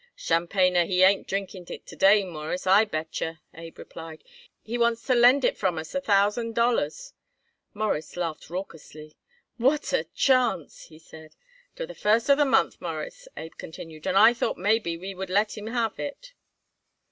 "Tchampanyer he ain't drinking it to day, Mawruss, I bet yer," Abe replied. "He wants to lend it from us a thousand dollars." Morris laughed raucously. "What a chance!" he said. "Till the first of the month, Mawruss," Abe continued, "and I thought maybe we would let him have it."